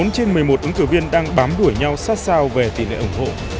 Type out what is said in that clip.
bốn trên một mươi một ứng cử viên đang bám đuổi nhau sát sao về tỷ lệ ủng hộ